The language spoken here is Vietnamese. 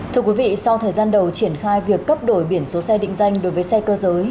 thưa quý vị sau thời gian đầu triển khai việc cấp đổi biển số xe định danh đối với xe cơ giới